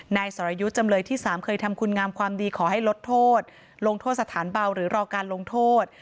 สรยุทธ์จำเลยที่๓เคยทำคุณงามความดีขอให้ลดโทษลงโทษสถานเบาหรือรอการลงโทษ